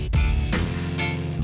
gila lo bujuk bukne